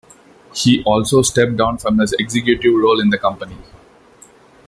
He also stepped down from his executive role in the company.